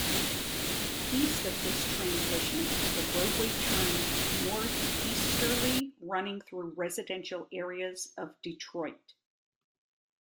East of this transition, the roadway turns northeasterly running through residential areas of Detroit.